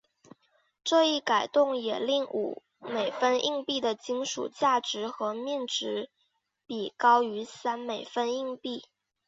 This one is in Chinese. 这一改动也令五美分硬币的金属价值和面值比高于三美分硬币。